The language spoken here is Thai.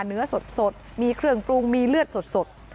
เนื้อสดมีเครื่องปรุงมีเลือดสด